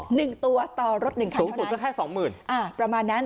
หนึ่งตัวต่อรถหนึ่งคันสูงสุดก็แค่สองหมื่นอ่าประมาณนั้น